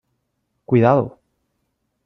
¡Cuidado!